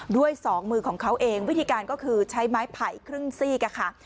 ด้วยสองมือของเขาเองวิธีการก็คือใช้ไม้ไผ่ครึ่งซีกค่ะ